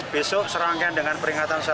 besok serangkaian dengan peringatan